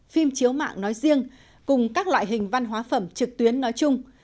phim chiếu mạng nói riêng cùng các loại hình văn hóa phẩm trực tuyến nói chung